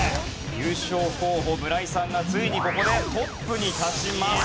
優勝候補村井さんがついにここでトップに立ちます。